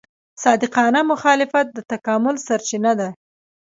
صادقانه مخالفت د تکامل سرچینه ده.